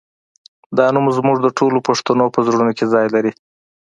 دا نوم زموږ د ټولو پښتنو په زړونو کې ځای لري